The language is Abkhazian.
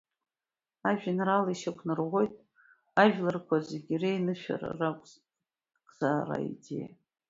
Ажәеинраала ишьақәнарӷәӷәоит ажәларқәа зегьы реинышәара, ракзаара аидеиа.